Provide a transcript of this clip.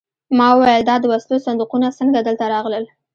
ما وویل دا د وسلو صندوقونه څنګه دلته راغلل